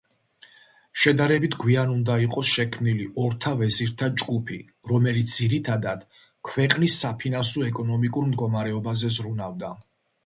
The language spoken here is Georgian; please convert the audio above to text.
შედარებით გვიან უნდა იყოს შექმნილი „ორთა ვეზირთა“ ჯგუფი, რომელიც ძირითადად ქვეყნის საფინანსო-ეკონომიკურ მდგომარეობაზე ზრუნავდა.